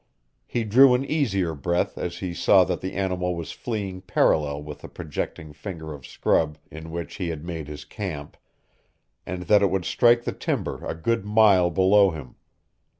He drew an easier breath as he saw that the animal was fleeing parallel with the projecting finger of scrub in which he had made his camp, and that it would strike the timber a good mile below him.